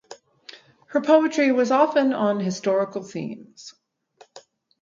Her poetry was often on historical themes.